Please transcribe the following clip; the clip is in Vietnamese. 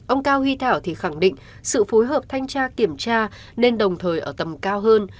ông cao huy thảo thì khẳng định sự phối hợp thanh tra kiểm tra nên đồng thời ở tầm cao hơn